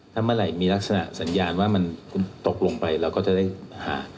ถ้าเมื่อไหร่มีลักษณะสัญญาณว่ามันคุณตกลงไปเราก็จะได้หา